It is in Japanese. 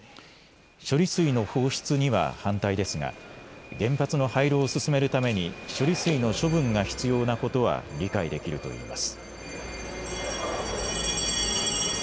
処理水の放出には反対ですが原発の廃炉を進めるために処理水の処分が必要なことは理解できると言います。